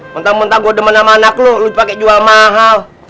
mentang mentang gue demen sama anak lo lo dipake jual mahal